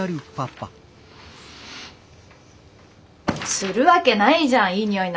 するわけないじゃんいい匂いなんか。